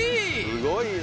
すごいな。